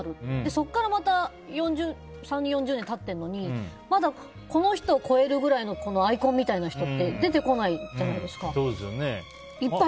そこからまた３０４０年経ってるのにまだ、この人を超えるぐらいのアイコンみたいな人って出てこないと思いました。